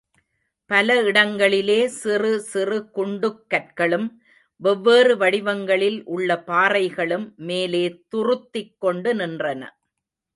பல இடங்களிலே சிறு சிறு குண்டுக் கற்களும், வெவ்வேறு வடிவங்களில் உள்ள பாறைகளும் மேலே துறுத்திக் கொண்டு நின்றன.